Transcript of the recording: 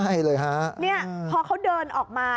นี่พอเขาเดินออกมา